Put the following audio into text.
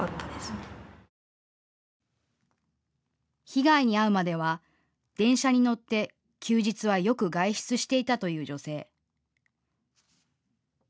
被害に遭うまでは電車に乗って休日はよく外出していたという女性。